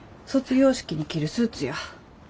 卒業式に着るスーツや。